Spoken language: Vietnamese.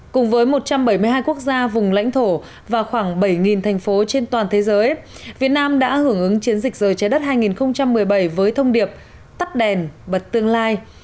cùng với một trăm bảy mươi hai quốc gia vùng lãnh thổ và khoảng bảy thành phố trên toàn thế giới việt nam đã hưởng ứng chiến dịch giờ trái đất hai nghìn một mươi bảy với thông điệp tắt đèn bật tương lai